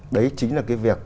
đấy chính là cái việc